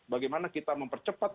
bagaimana kita mempercepat